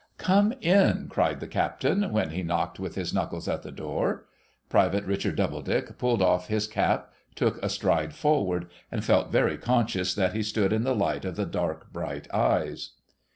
' Come in !' cried the Captain, when he knocked with his knuckles at the door. Private Richard Doubledick pulled off his cap, took a stride forward, and felt very conscious that he stood in the light of the dark, bright eyes.